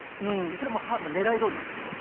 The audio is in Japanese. それ狙いどおりなんですけど。